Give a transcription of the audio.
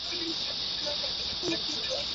Historically, copper was mined in the area.